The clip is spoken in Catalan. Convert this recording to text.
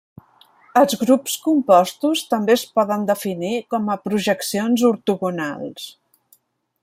Els grups compostos també es poden definir com a projeccions ortogonals.